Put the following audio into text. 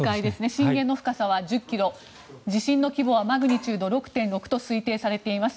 震源の深さは１０ｋｍ地震の規模はマグニチュード６．６と推定されています。